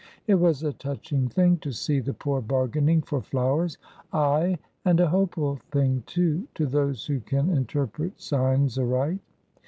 It was a touching thing to see the poor bargaining for flowers ay, and a hopeful thing, too, to those who can interpret signs aright.